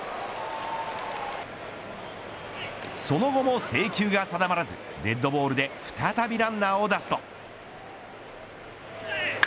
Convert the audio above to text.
その後も制球が定まらずデッドボールで再びランナーを出すと。